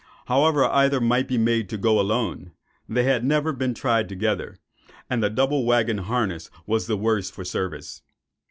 However either might be made to go alone, they had never been tried together; and the double waggon harness was the worse for service.